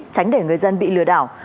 tránh để người dân bị lừa đảo